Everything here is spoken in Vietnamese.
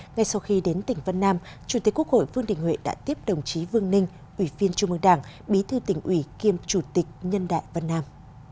ngay sau khi đến tỉnh vân nam chủ tịch quốc hội vương đình huệ đã tiếp đồng chí vương ninh ủy viên trung mương đảng bí thư tỉnh ủy kiêm chủ tịch nhân đại vân nam